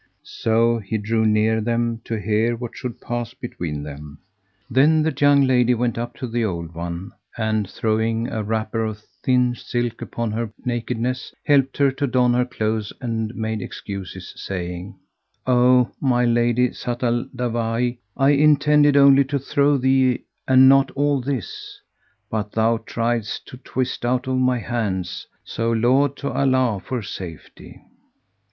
So he drew near them to hear what should pass between them. Then the young lady went up to the old one and, throwing a wrapper of thin silk upon her nakedness, helped her to don her clothes and made excuses saying, "O my lady Zat al Dawahi, I intended only to throw thee and not all this, but thou triedst to twist out of my hands; so laud to Allah for safety!"